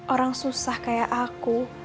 orang susah kayak aku